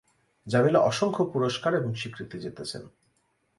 জামিলা অসংখ্য পুরস্কার এবং স্বীকৃতি জিতেছেন।